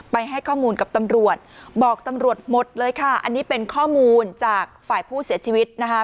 ให้ข้อมูลกับตำรวจบอกตำรวจหมดเลยค่ะอันนี้เป็นข้อมูลจากฝ่ายผู้เสียชีวิตนะคะ